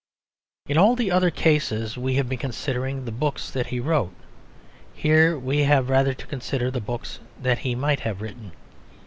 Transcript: In all the other cases we have been considering the books that he wrote; here we have rather to consider the books that he might have written.